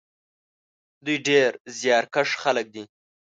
دوی ډېر زیارکښ خلک دي.